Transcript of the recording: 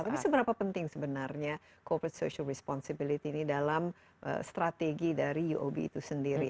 tapi seberapa penting sebenarnya corporate social responsibility ini dalam strategi dari uob itu sendiri